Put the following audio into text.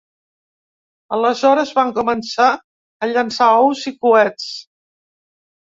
Aleshores, van començar a llençar ous i coets.